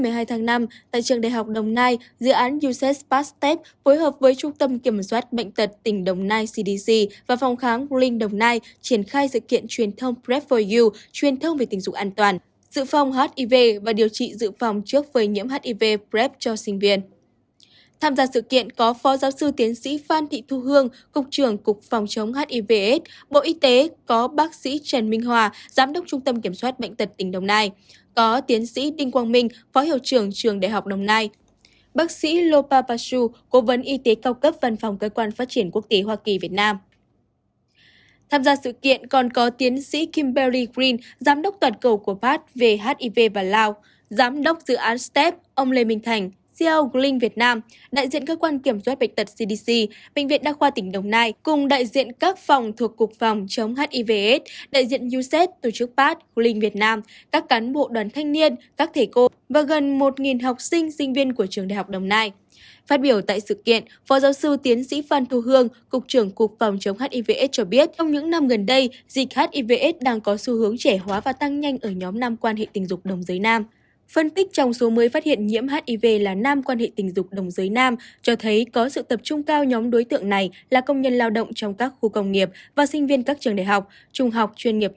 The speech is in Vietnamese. hãy đăng ký kênh để ủng hộ kênh của chúng mình nhé